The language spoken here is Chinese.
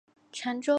长洲人。